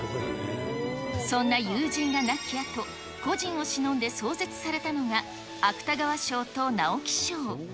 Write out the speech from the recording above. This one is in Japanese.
そんな友人が亡きあと、故人をしのんで創設されたのが、芥川賞と直木賞。